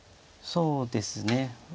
そうですね。